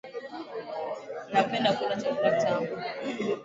Napenda kula chakula tamu